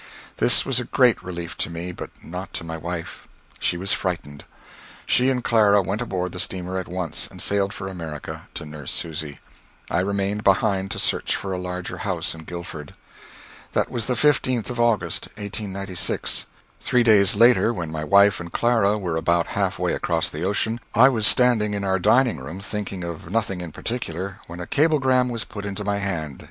This was a great relief to me, but not to my wife. She was frightened. She and Clara went aboard the steamer at once and sailed for America, to nurse Susy. I remained behind to search for a larger house in Guildford. That was the 15th of August, 1896. Three days later, when my wife and Clara were about half way across the ocean, I was standing in our dining room thinking of nothing in particular, when a cablegram was put into my hand.